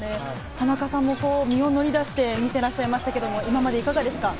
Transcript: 田中さんも身を乗り出して見てらっしゃいましたけど、今までいかがですか？